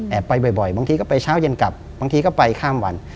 ไปบ่อยบางทีก็ไปเช้าเย็นกลับบางทีก็ไปข้ามวัน